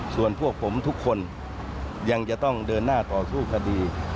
ส่วนพวกผมทุกคนยังจะต้องเดินหน้าต่อสู้คดี